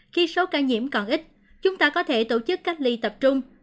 khi số ca nhiễm còn ít chúng ta có thể tổ chức cách ly tập trung